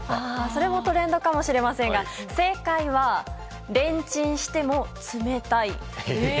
それもトレンドかもしれませんが正解は、レンチンしても冷たい。